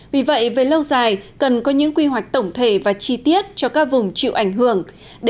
vì vậy về lâu dài cần có những quy hoạch tổng thể và chi tiết cho các vùng chịu ảnh hưởng